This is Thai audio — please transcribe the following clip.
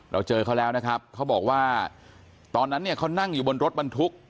เราเจอเขาแล้วนะครับเขาบอกว่าตอนนั้นเนี่ยเขานั่งอยู่บนรถบรรทุก